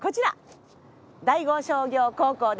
第五商業高校です！